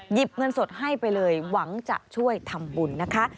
เงินสดให้ไปเลยหวังจะช่วยทำบุญนะคะ